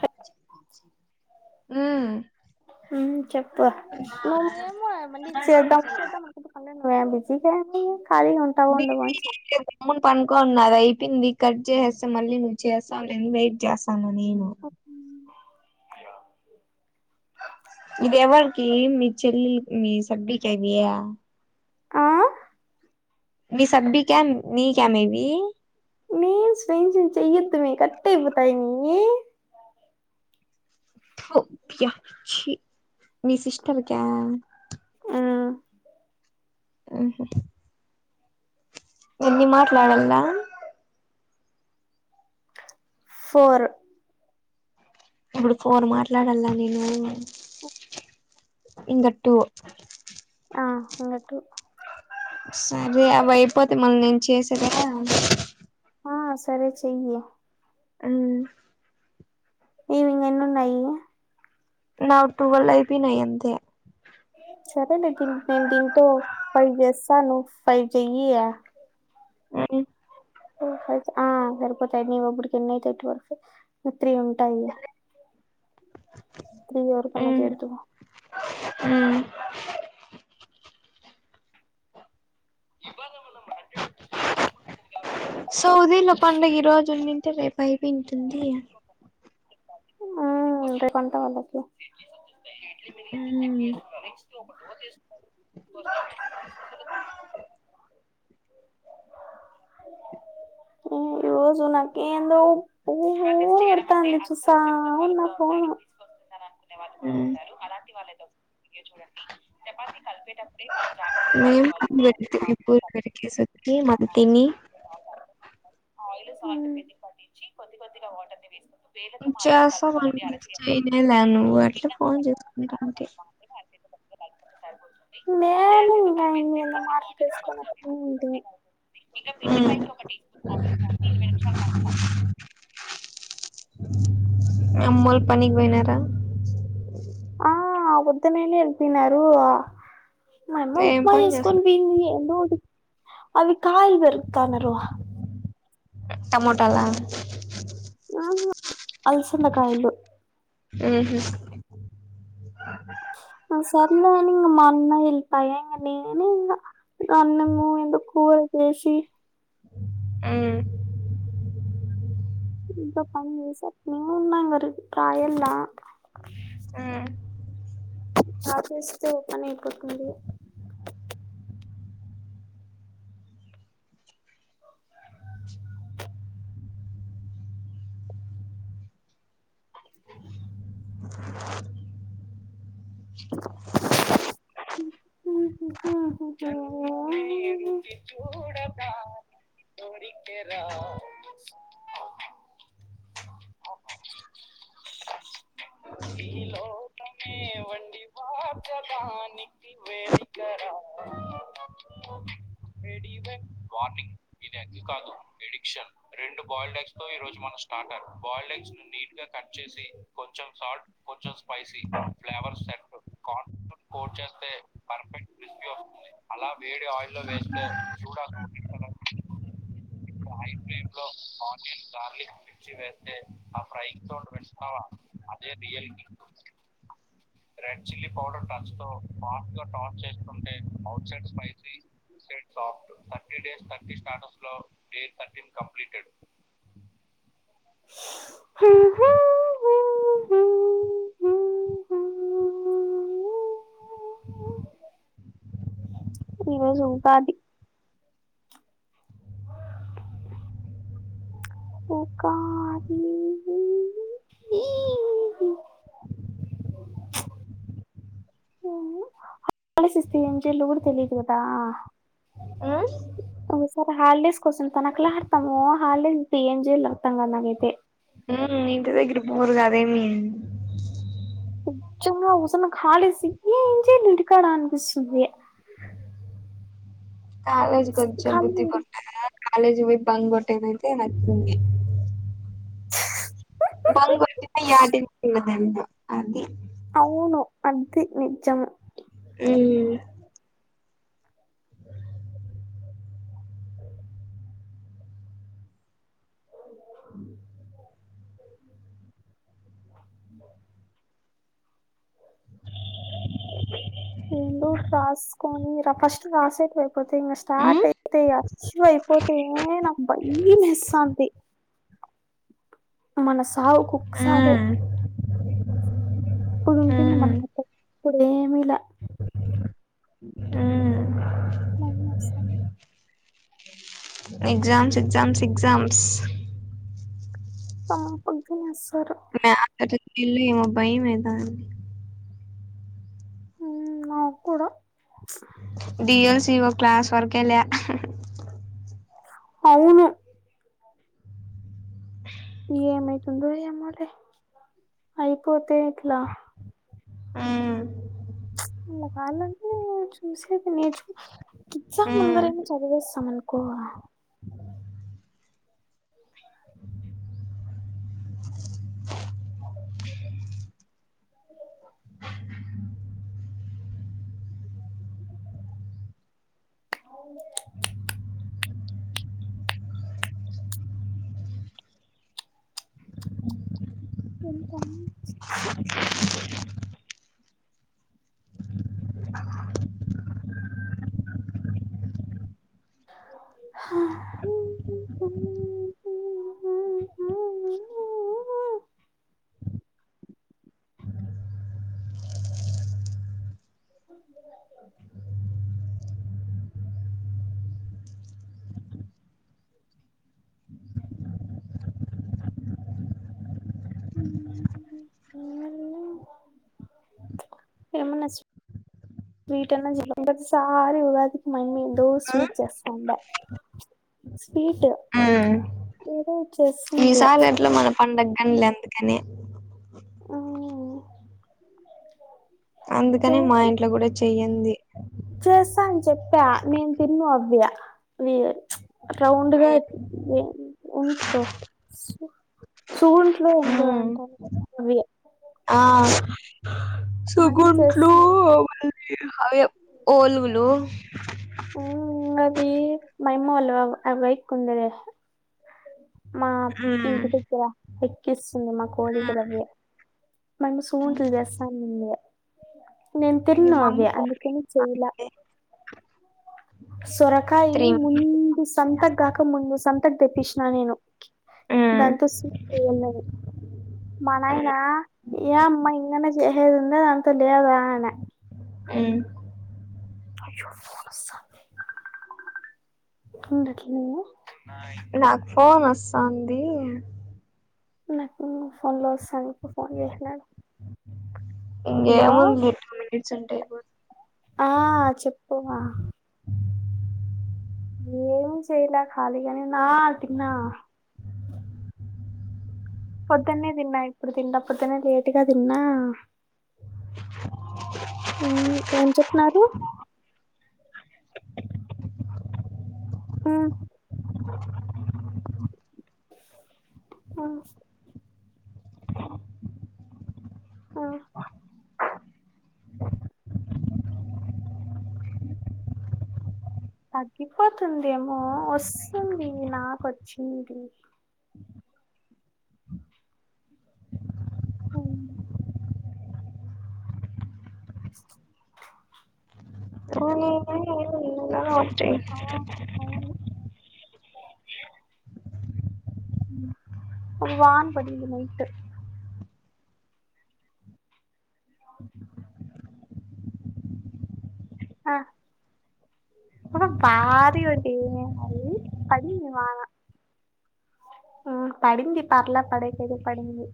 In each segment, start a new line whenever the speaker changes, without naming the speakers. చె
ఉమ్
ఊమ్ చెప్పు నువ్వు ఏం మా మళ్ళీ చేద్దాం అంటే చేద్దాం అనుకొంటే పనిలేదు అనుకొంటే బీసీ దానివే కాలిగా ఉంటావో ఉండవో అని చాయ్ లా
పనుకోన్నగా అయిపోయింది కట్ చేసేస్తే మళ్ళీ ము చేస్తవ్లే అని వెయిట్ చేస్తున్న నేను
[inaudible] ఇగ
ఇది ఎవరికి మీ చెల్లిలి కీ మీ సబ్కిక ఇవి య
ఆ
మీ సబ్బిక మీ క మే ఇవి
మే చేయేదుమే కటైపోతైమే
[inaudible] యా ఛీ మీ సిస్టర్ క్యా
ఉమ్
ఉ హు ఎన్ని మాట్లాడల్లా
ఫోర్
ఇప్పుడు ఫోర్ మాట్లాడల్లా నేను ఇంక టు
ఆ అంగట్టు
సరే అవి అయిపోతె మళ్ళీ నేను చేసేదా
ఆ సరే చెయ్యి
అన్
నీవి ఇంకా ఎన్నున్నాయి
నావి టువల్ అయిపోయినాయి అంతే
సరే లే తిన్ నేను తింటూ ఫైవ్ చేస్తాను ఫైవ్ చెయ్యి
ఊ
ఆ సరిపోతాయి నీవి అప్పటికి ఎన్నిఅవుతాయ్ ట్వెల్వ్ ఇంకా త్రీ ఉంటాయి త్రీ ఎవరికన్నా చెధువు
ఊమ్
[inaudible]
సౌదీలో పండుగ ఈ రోజు ఉనింటే రేపు అయి పోయింటుంది
ఆ రేపంట వాళ్లకి ఇడ్లీలి మలి
మ్మ్
చెట్ అస్త [inaudible] స [inaudible] ఉ ఈరోజు నా కేందో బోర్ కొడతాంది చూస్తా ఉన్న ఫోను వాళ్ళు కూడా
మ్మ్
ఉంటారు అలాంటి వాళ్ళ [inaudible] చూడండి చపాతి కలిపేటప్పుడే మనం జాగ్రత్తగా
మేము
కలుపుకోవాలి మా [inaudible]
వెతికి పూలు పెరికేసి వచ్చి మరి తిని
ఊమ్ వేదతో మాత్రమం
చేస్తాం
కప
అనుకుంటే
అరచ [inaudible]
చేయనేలా నువ్వు అట్లా ఫోన్ చేసుకుంటా ఉంటి
నేను ఇంగ నిన్న మా [inaudible]
అమ్మొళ్ళు పనికి పోయినారా
ఆ పొద్దున్నేనె వెళ్లిపోయినారు ఆ మాయమ్మ
ఏం
ఉప్మా
పని
చేసుకొని
చేస్తున్నారు
పోయింది ఏందో అవి కాయలు పెరకతాన్నరు
టమోటలా
ఆహ అల్సంద కాయలు
ఊహు
సర్లే అని ఇంగ మా అన్న వెళ్లి పాయ ఇం నేనే ఇంకా అన్నము ఇంగ కూర చేసి
ఊ
పనిచేసి అట్లే ఉన్న రేపు పాయల్ల
ఉ
చ చేస్తే ఓ పని అయిపోతుంది ఈ రోజు ఉంటాది క ఈ ఈ హోలీడేస్ ఇస్తే ఏం చెయలో కూడా తెలియదు కదా
ఉమ్
ఒకసారి హల్డేస్ కోసం తనకులాడతాము హల్డేస్ ఏం జెయల్లో అర్థమ్ కాలే నాగైతే
ఉహ్ ఇంటి దగ్గర కి పోదు అదేమి
కొచ్చంగా ఊసన్న కాలసి ఎమ్ చేయల్ల ఇంటి కాడా అనిపిస్తుంది.
కాలేజ్ కొంచం
ఖాళీ
బుద్ధి గా ఉంటాదా కాలేజ్ కి పోయి బంగ్ కొట్టేద్తేతే నచ్చంది. బంగ్ కొట్టింది యాటికి పోయినాది అంట అది
అవును అది నిజము
హుహ్
ఎందోకటి రాసుకొని రా ఫస్ట్ రాసేట్ అయిపోతే ఇంక స్టార్ట్
మ్మ్
అయితే అస్ అయిపోతే నాకు భయమెస్తాంది మనస్ సావు కుక్ సావే ఇప్పుడు ఉంటుంది
మ్మ్
మనకు ఇప్పుడు ఏమి లే
హహ్
మా వదిన వస్త
ఎగ్జామ్స్ ఎగ్జామ్స్
[unintelligible]
[unintelligible] ఇళ్ళ ఏమో భయం అయితాంది
హ నా కూడా
డివోసిఓ క్లాస్ వర్క్ లే
అవును ఏమైతుందో ఎమో లే అయిపోతే ఇట్లా
ఆహ్
మల్లా కల్లాంటే చూసేది నెర్చుకోవల్లా ఎగ్జామ్
మ్మ్
ముందరైనా చదివిస్తాం అనుకో ఎంతన్ చుస్ హహ ఉచ్ ఎమన్నా స్వీట్ అన్నా చేసింటే ప్రతిసారి ఉగాదికి మా అమ్మ ఎదో స్వీట్ చేస్తాండే స్వీట్ ఎదో
ఈ సార్లు ఎట్లా మన పడుగ కనీలే ఎందుకని
ఉమ్మ్
అందుకని మా ఇంట్లో కూడా చెయ్యడి
చేస్తాను చెప్పా నేను తిన్న అవ్య వ రౌండ్గా అయి ఒంట్లో సువుంట్లో ఎందు
మ్మ్
అంటారు అవి
ఆ
మా అమ్మ
సుగుంట్లు
చేస్తుంది
వ హవి ఓల్లు
ఉ మ మైమ అల్వా వై కుందద
ఉమ్
ఎక్కిస్తుంది మా కోళక రవవివి మన సూట్లు చేస్తానుంది నేను తిన్న
అయ్యో మా అమ్మ
అవ్య
ఫోన్
అందుకని చెయిలా సొరకాయ
త్రీ మ్మ్
ముందు సంత్గాక ముందు సంత తెప్పించిన నేను దాంతో సూన్నా మనయినా ఏ అమ్మా ఇన్ననే చేసదుంద అంత తెలిదాన
మ్మ్
అయో ఫోన్ వాస్తుంధి ఉండు అట్లే
నక్ ఫోన్ వస్తుంది
నాకు ఫోన్ లో వస్తాను ఫోన్ చేసినాడు
ఇంకా
హలో
ముంద ఎట్ మ సంటేపో
ఆ చెప్పువా ఏం చేయలే ఖాళీగానే నా ఆటింగ్నా పొద్దునే తిన్నా ఇప్పుడు తిన్న పడుద్దనే లేటుగా తిన్నా ఏం చెప్న్నారు హ్మ్ హ మ్మ్ తగ్గిపోతుందిమో వస్తుంది నక్ వచింధి అవును
హలో చెయ్
అవును అవును ఉమ్ వాన పదింది నైట్ [unintelligible] పడింది పర్లే పడకద పడింది,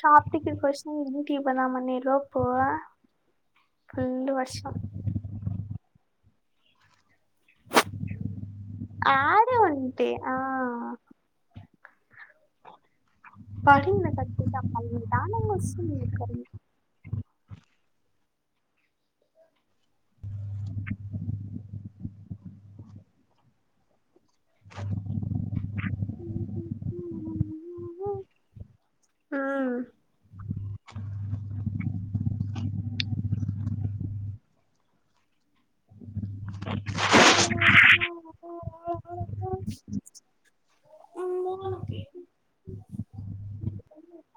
షాప్కి వస్తు ఇంటికి పోదామనే లోపు, ఫుల్ వర్షం. ఆరుంటే ఆ. [unintelligible] అ. [inaudible]